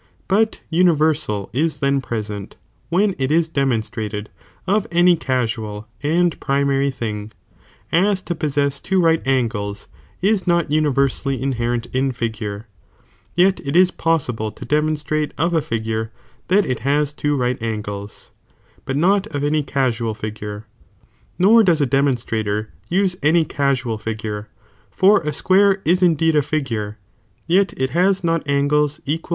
But universal ia then present, when it is demonstrated of any casual and pri mftry thing, aa to possess two right angles is not universally inherent in figure, yet it is possible to demonstrate of a figure that it baa two right angles, but not of any casual figure, nor does a demonstrator use any casuni figure, for a square is in deed a figure, yet it baa not angles equal to two right.